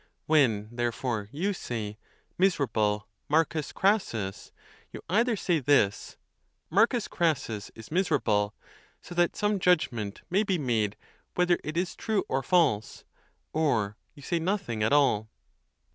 When, therefore, you say, " Miserable M. Crassus," you either say this, " M. Crassus is misera ble," so that some judgment may be made whether it is true or false, or you say nothing at all.